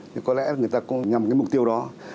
thì có lẽ người ta nhằm cái mục tiêu đó